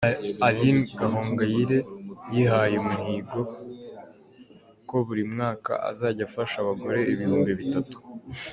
Aline Gahongayire yihaye umuhigo ko buri mwaka azajya afasha abagore ibihumbi bitatu.